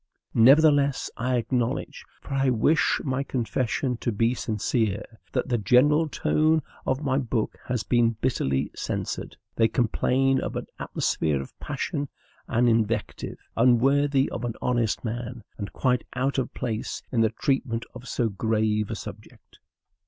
Nevertheless, I acknowledge for I wish my confession to be sincere that the general tone of my book has been bitterly censured. They complain of an atmosphere of passion and invective unworthy of an honest man, and quite out of place in the treatment of so grave a subject.